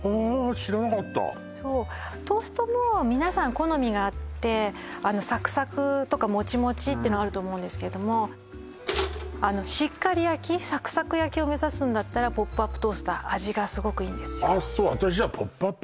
知らなかったそうトーストも皆さん好みがあってサクサクとかもちもちってのあると思うんですけれどもしっかり焼きサクサク焼きを目指すんだったらポップアップトースター味がすごくいいんですよあっ